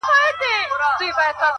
ریښتینی دوست د اړتیا پر وخت څرګندیږي؛